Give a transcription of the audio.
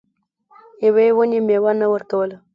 یوې ونې میوه نه ورکوله.